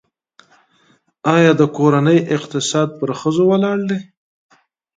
آیا د کورنۍ اقتصاد پر ښځو ولاړ دی؟